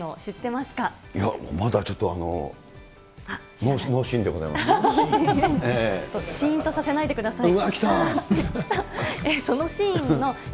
いや、まだちょっと、シーンとさせないでください。